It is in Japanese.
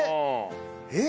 えっ？